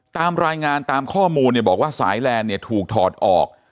ตามรายงานตามข้อมูลเนี่ยบอกว่าสายแลนด์เนี่ยถูกถอดออก